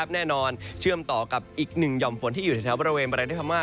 ได้ครับแน่นอนเชื่อมต่อกับอีก๑ย่อมฝนที่อยู่ในบริเวณบรรยากเรศพม่า